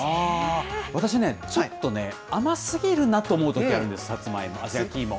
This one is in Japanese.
私ね、ちょっとね、甘すぎるなと思うときあるんです、さつまいも、じゃない、焼き芋。